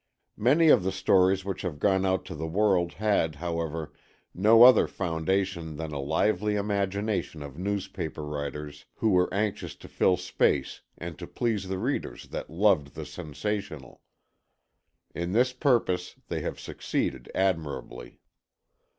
Many of the stories which have gone out to the world had, however, no other foundation than a lively imagination of newspaper writers who were anxious to fill space and to please the readers that loved the sensational. In this purpose they have succeeded admirably.